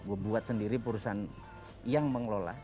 gue buat sendiri perusahaan yang mengelola